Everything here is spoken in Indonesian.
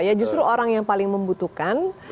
ya justru orang yang paling membutuhkan